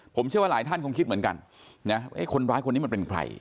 ผมเชื่อว่าหลายท่านคงคิดเหมือนกันนะคนร้ายคนนี้มันเป็นใคร